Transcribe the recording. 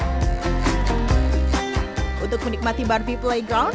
untuk menikmati barbie playground ini kita akan menikmati barbie playground